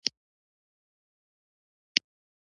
دوی ته یې ماتې ورکړه او کورونه یې تباه کړل.